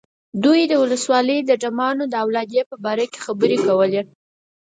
دوی د ولسوالۍ د ډمانو د اولادې په باره کې خبرې کولې.